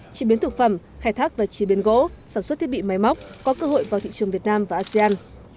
chế biến thực phẩm khai thác và chế biến gỗ sản xuất thiết bị máy móc có cơ hội vào thị trường việt nam và asean